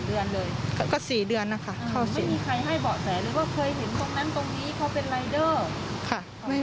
ไม่มีใครให้เบาะแสหรือว่าเคยเห็นตรงนั้นตรงนี้เขาเป็นรายเด้อ